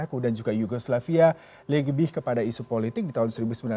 kemudian juga yugoslavia lebih kepada isu politik di tahun seribu sembilan ratus sembilan puluh